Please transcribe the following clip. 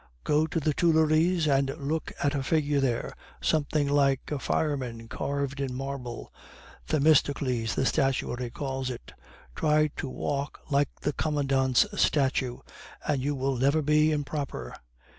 "Go to the Tuileries and look at a figure there, something like a fireman carved in marble ['Themistocles,' the statuary calls it), try to walk like the Commandant's statue, and you will never be 'improper.